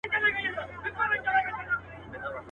له لېوه څخه پسه نه پیدا کیږي.